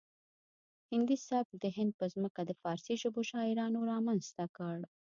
هندي سبک د هند په ځمکه د فارسي ژبو شاعرانو رامنځته کړ